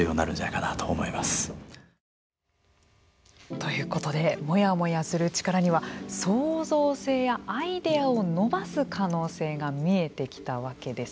ということでモヤモヤする力には創造性やアイデアを伸ばす可能性が見えてきたわけです。